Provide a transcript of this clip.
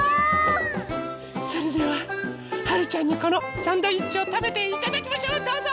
それでははるちゃんにこのサンドイッチをたべていただきましょうどうぞ！